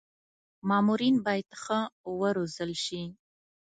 مامورین باید ښه و روزل شي.